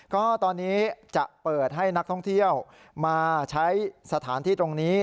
ก็ตอนนี้จะเปิดให้นักท่องเที่ยวมาใช้สถานที่ตรงนี้